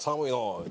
言うて。